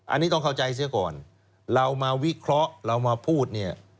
อันนี้ต้องเข้าใจเสียก่อนเรามาวิเคราะห์เรามาพูดเนี่ย